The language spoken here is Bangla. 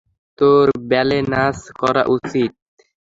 তোর ব্যালে নাচ করা উচিত।